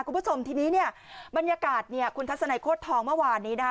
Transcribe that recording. คุณผู้ชมทีนี้เนี่ยบรรยากาศเนี่ยคุณทัศนัยโคตรทองเมื่อวานนี้นะคะ